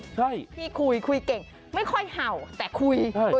ใช่คุยเก่งไม่ค่อยเห่าแต่คุย